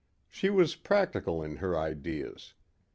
She was practical in her ideas.